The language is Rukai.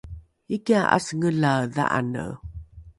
ikia ’asengelae dha’ane